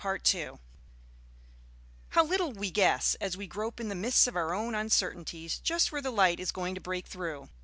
How little we guess, as we grope in the mists of our own uncertainties, just where the light is going to break through!